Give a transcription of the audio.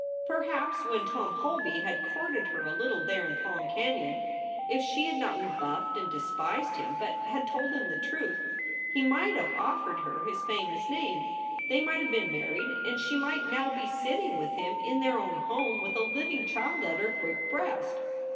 Perhaps when Tom Holby had courted her a little there in Palm Canon, if she had not rebuffed and despised him, but had told him the truth, he might have offered her his famous name; they might have been married and she might now be sitting with him in their own home with a living child at her quick breast.